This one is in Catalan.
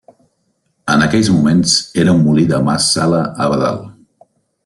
En aquells moments era un molí del mas Sala Abadal.